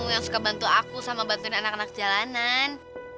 yang suka bantu aku sama bantuin anak anak jalanan